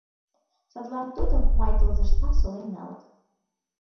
Садлан тудым май тылзыштак солен налыт.